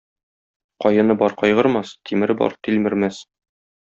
Каены бар кайгырмас, тимере бар тилмермәс.